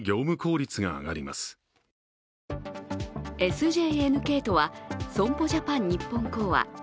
ＳＪＮＫとは、損保ジャパン日本興亜。